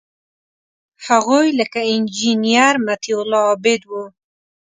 هغوی لکه انجینیر مطیع الله عابد وو.